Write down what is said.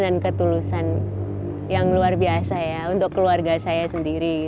dan ketulusan yang luar biasa ya untuk keluarga saya sendiri